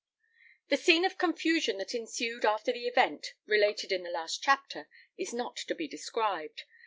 The scene of confusion that ensued after the event related in the last chapter is not to be described.